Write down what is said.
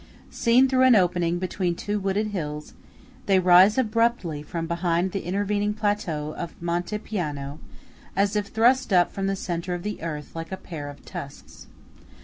Seen through an opening between two wooded hills, they rise abruptly from behind the intervening plateau of Monte Piano, as if thrust up from the centre of the earth, like a pair of tusks.